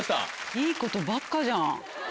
いいことばっかじゃん。